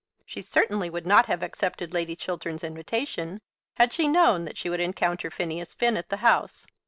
She certainly would not have accepted Lady Chiltern's invitation had she known that she would encounter Phineas Finn at the house.